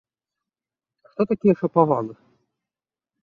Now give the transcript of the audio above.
А хто такія шапавалы?